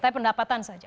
tapi pendapatan saja